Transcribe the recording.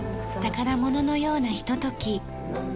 宝物のようなひととき。